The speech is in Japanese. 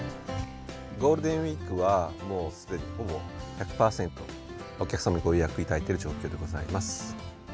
ゴールデンウィークは、もうすでにほぼ１００％、お客様、ご予約いただいている状況でございます。